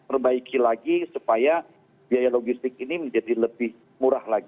tapi memang masih perlu kita perbaiki lagi supaya biaya logistik ini menjadi lebih murah lagi